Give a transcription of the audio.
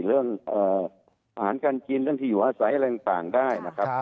เรื่องอาหารการกินเรื่องที่อยู่อาศัยอะไรต่างได้นะครับ